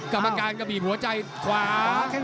กรรมการก็บีบหัวใจขวา